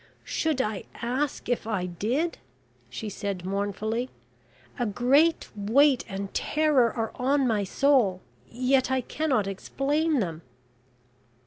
"Should I ask if I did?" she said, mournfully. "A great weight and terror are on my soul yet I cannot explain them.